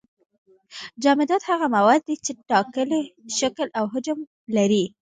جامدات هغه مواد دي چې ټاکلی شکل او حجم لري.